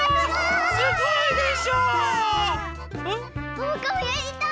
おうかもやりたい！